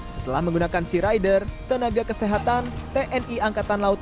setelah menggunakan sea rider tenaga kesehatan tni angkatan laut